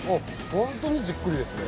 本当にじっくりですね。